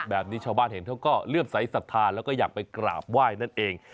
แบบนี้ชาวบ้านเห็นเขาก็เลื่อมใสสัทธาแล้วก็อยากไปกราบไหว้นั่นเอง